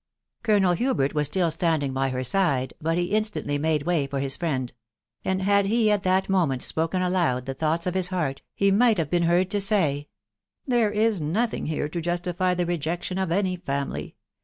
Colonel Hubert was still standing by her side, but he instantly made way for his friend ; and had he at that moment spoken aloud the thoughts of his heart, he might have been heard to say* —" There is nothing here to justify the rejection of any family